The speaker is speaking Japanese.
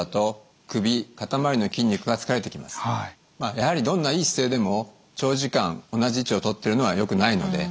やはりどんな良い姿勢でも長時間同じ位置をとってるのはよくないので。